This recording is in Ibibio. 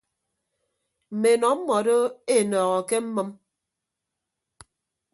Mme enọ mmọdo enọọho ke mmʌm.